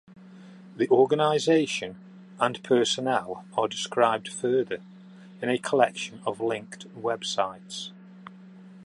The organization and personnel are described further, in a collection of linked web sites.